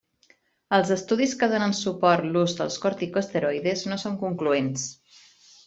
Els estudis que donen suport l'ús dels corticoesteroides no són concloents.